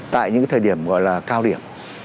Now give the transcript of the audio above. tại những cái thời điểm gọi là cao điểm